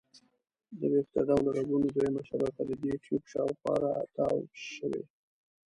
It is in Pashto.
د ویښته ډوله رګونو دویمه شبکه د دې ټیوب شاوخوا را تاو شوي.